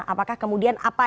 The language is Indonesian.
apakah kemudian apa yang